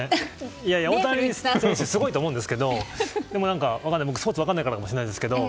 いや、大谷選手もすごいと思いますが僕、スポーツ分からないからかもしれないですけど